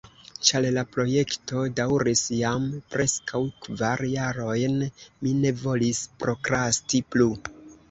Ĉar la projekto daŭris jam preskaŭ kvar jarojn, ni ne volis prokrasti plu.